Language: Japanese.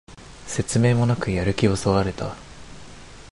説明もなくやる気をそがれた